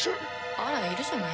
あらいるじゃない。